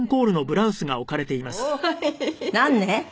何年？